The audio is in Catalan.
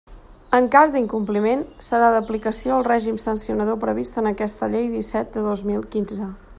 En cas d'incompliment, serà d'aplicació el règim sancionador previst en aquesta Llei disset de dos mil quinze.